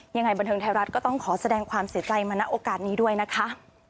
ยังไงบันเทิงไทยรัฐก็ต้องขอแสดงความเสียใจมาณโอกาสนี้ด้วยนะคะ